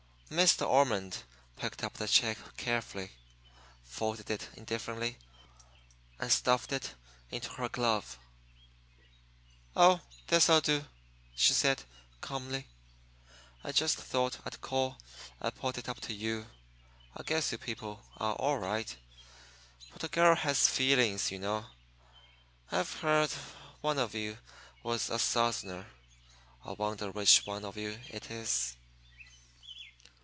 Miss De Ormond picked up the cheek carelessly, folded it indifferently, and stuffed it into her glove. "Oh, this'll do," she said, calmly. "I just thought I'd call and put it up to you. I guess you people are all right. But a girl has feelings, you know. I've heard one of you was a Southerner I wonder which one of you it is?"